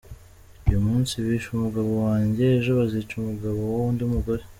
Uyu munsi bishe umugabo wanjye, ejo bazica umugabo w’undi mugore.”